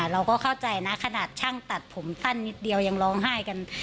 เราก็เข้าใจนะขนาดช่างตัดผมสั้นนิดเดียวยังร้องไห้กัน